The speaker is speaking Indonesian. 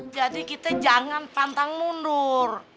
jadi kita jangan pantang mundur